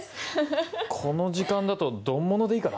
この時間だと丼ものでいいかな？